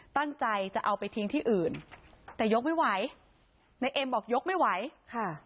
ตั้งใจจะเอาไปทิ้งที่อื่นแต่ยกไม่ไหวในเอ็มบอกยกไม่ไหวค่ะ